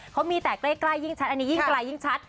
เขามีแต่ใกล้ยิ่งชัดอันนี้ยิ่งไกลยิ่งชัด